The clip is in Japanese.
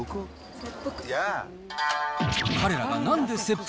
切腹？